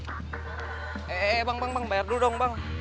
eh eh eh bang bang bang bayar dulu dong bang